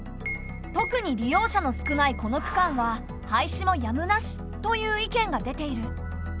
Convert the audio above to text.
特に利用者の少ないこの区間は廃止もやむなしという意見が出ている。